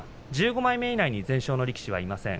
１５枚目以内に全勝の力士はいません